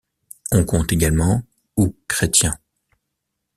On compte également ou chrétiens.